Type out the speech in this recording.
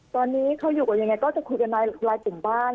ตอนนี้เขาอยู่กันยังไงก็จะคุยกันไลน์ถึงบ้าน